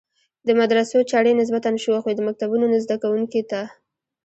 د مدرسو چڼې نسبتاً شوخ وي، د مکتبونو زده کوونکو ته.